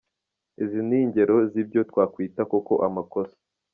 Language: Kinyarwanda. Izi ni ingero z’ibyo twakwita koko amakosa.